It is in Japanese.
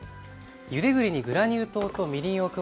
ゆで栗にグラニュー糖とみりんを加えてつくる